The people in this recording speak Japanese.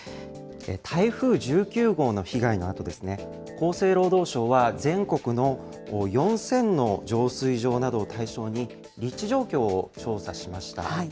台風１９号の被害のあと、厚生労働省は全国の４０００の浄水場などを対象に、立地状況を調査しました。